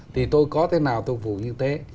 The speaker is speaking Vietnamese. thì tôi có thế nào tôi phục vụ như thế